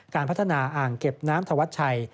การพัฒนาอ่างเก็บน้ำธวัชชัย